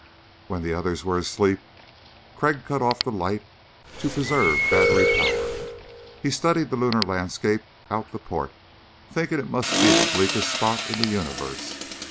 When the others were asleep, Crag cut off the light to preserve battery power. He studied the lunar landscape out the port, thinking it must be the bleakest spot in the universe.